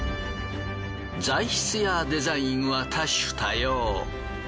材質やデザインは多種多様。